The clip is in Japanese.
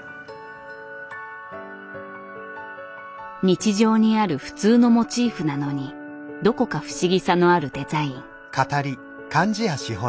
日常にある普通のモチーフなのにどこか不思議さのあるデザイン。